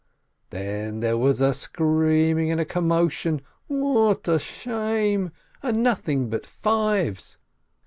Then there was a screaming and a commotion. What a shame! And nothing but fives